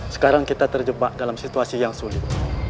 sekarang kita terjebak dalam situasi yang sulit